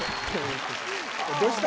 どうした？